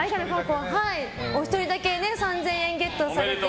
お一人だけ３０００円ゲットされて。